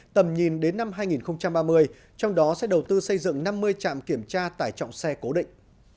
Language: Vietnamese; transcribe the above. tầm nhìn đến năm hai nghìn ba mươi trong đó sẽ đầu tư xây dựng năm mươi trạm kiểm tra tải trọng xe cố định